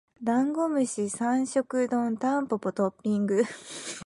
ダンゴムシ三食丼タンポポトッピング